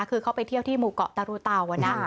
คือเขาไปเที่ยวที่หมู่เกาะตารูเตานะ